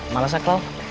malas kak cloud